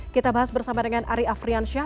kita bahas bersama dengan ari afriansyah